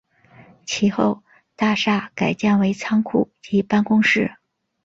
其后大厦改建为仓库及办公室。